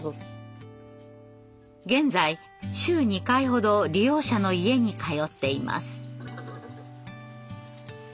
現在週２回ほど利用者の家に通っています。